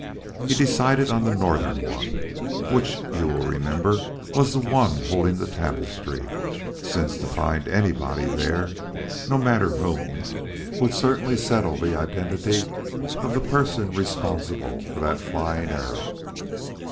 He decided upon the northern one, which you will remember was the one holding the tapestry; since, to find anybody there, no matter whom, would certainly settle the identity of the person responsible for that flying arrow.